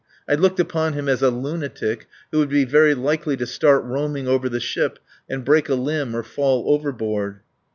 I looked upon him as a lunatic who would be very likely to start roaming over the ship and break a limb or fall overboard.